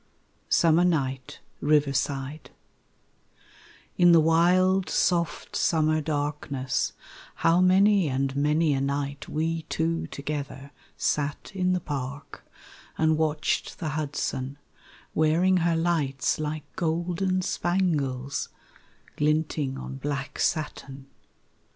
Summer Night, Riverside In the wild, soft summer darkness How many and many a night we two together Sat in the park and watched the Hudson Wearing her lights like golden spangles Glinting on black satin.